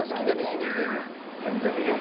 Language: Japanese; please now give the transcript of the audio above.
全然逃げへん。